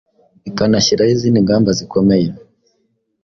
ikanashyiraho izindi ngamba zikomeye